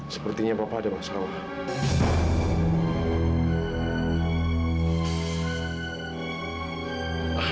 sepertinya papa ada masalah